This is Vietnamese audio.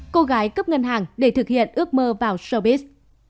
cô gái cướp ngân hàng để thực hiện ước mơ vào showbiz